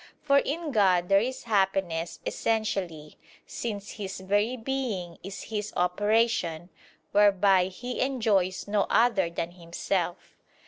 For in God there is happiness essentially; since His very Being is His operation, whereby He enjoys no other than Himself.